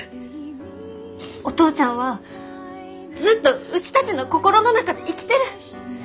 お父ちゃんはずっとうちたちの心の中で生きてる。